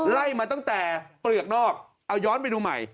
ไล่มาตั้งแต่เปลือกนอกเอาย้อนไปดูใหม่